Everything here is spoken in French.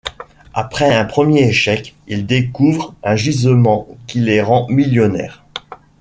Après un premier échec, ils découvrent un gisement qui les rend millionnaires.